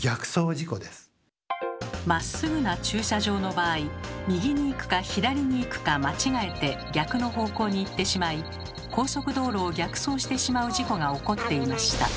それは右に行くか左に行くか間違えて逆の方向に行ってしまい高速道路を逆走してしまう事故が起こっていました。